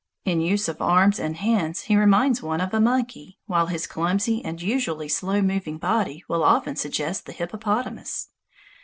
In use of arms and hands he reminds one of a monkey, while his clumsy and usually slow moving body will often suggest the hippopotamus.